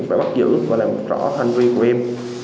và bắt giữ và làm rõ hành vi của em